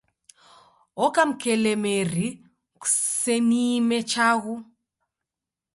Oka mkelemeri Kuseniime chaghu